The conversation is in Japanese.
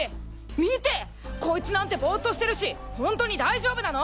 見てコイツなんてボーッとしてるしホントに大丈夫なの？